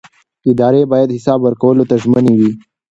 ادارې باید حساب ورکولو ته ژمنې وي